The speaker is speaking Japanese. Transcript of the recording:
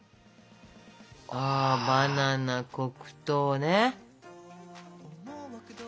バナナ黒糖ね。